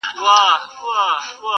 په نارو د بيزو وان خوا ته روان سو؛